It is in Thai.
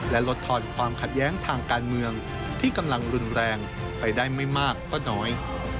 และลดทอนความขัดแย้งทางการเมืองที่กำลังรุนแรงไปได้ไม่มากก็น้อย